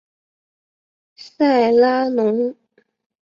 塞拉农。